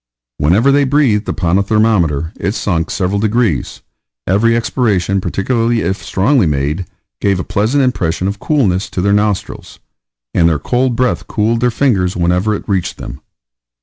Whenever they breathed upon a thermometer it sunk several degrees; every expiration, particularly if strongly made, gave a pleasant impression of coolness to their nostrils, and their cold breath cooled their fingers whenever it reached them.